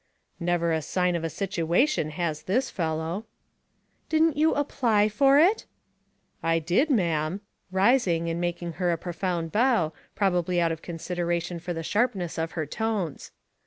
/" Never a sign oi a situation has this fellow." " Didn't you apply for it ?" "I did, ma'am," rising, and making her a pro found bow, probably out of consideration for *^he sharpness of her tones.